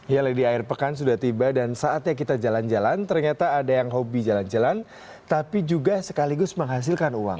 ya lady air pekan sudah tiba dan saatnya kita jalan jalan ternyata ada yang hobi jalan jalan tapi juga sekaligus menghasilkan uang